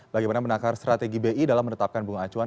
bagaimana menakar strategi bi dalam menetapkan bunga acuan